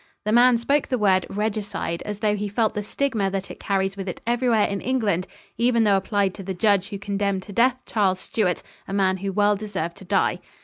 The man spoke the word "regicide" as though he felt the stigma that it carries with it everywhere in England, even though applied to the judge who condemned to death Charles Stuart, a man who well deserved to die.